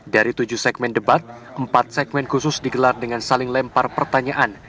dari tujuh segmen debat empat segmen khusus digelar dengan saling lempar pertanyaan